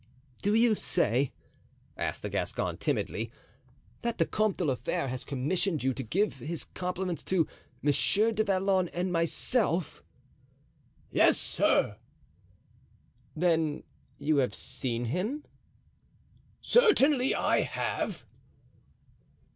"Do you say," asked the Gascon, timidly, "that the Comte de la Fere has commissioned you to give his compliments to Monsieur du Vallon and myself?" "Yes, sir." "Then you have seen him?" "Certainly I have."